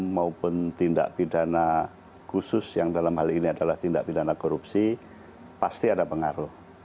maupun tindak pidana khusus yang dalam hal ini adalah tindak pidana korupsi pasti ada pengaruh